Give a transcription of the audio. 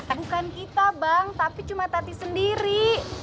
bukan kita bang tapi cuma tati sendiri